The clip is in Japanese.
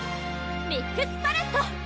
ミックスパレット！